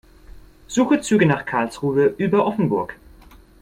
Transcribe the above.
Suche Züge nach Karlsruhe über Offenburg.